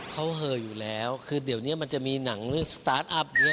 เขาเหออยู่แล้วคือเดี๋ยวนี้มันจะมีหนังเรื่องสตาร์ทอัพ